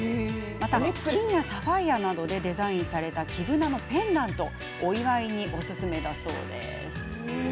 金やサファイアなどでデザインされた黄ぶなのペンダントお祝いにおすすめだそうです。